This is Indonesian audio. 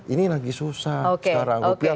ini lagi susah sekarang rupiah